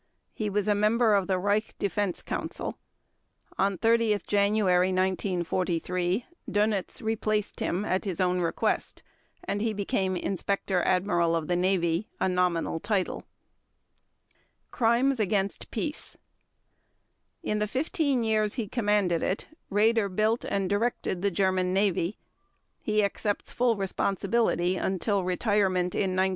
He was a member of the Reich Defense Council. On 30 January 1943 Dönitz replaced him at his own request, and he became Admiral Inspector of the Navy, a nominal title. Crimes against Peace In the 15 years he commanded it, Raeder built and directed the German Navy; he accepts full responsibility until retirement in 1943.